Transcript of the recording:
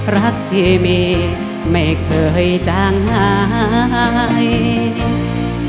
รักที่มีไม่เคยจางหาย